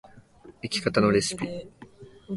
生き方のレシピ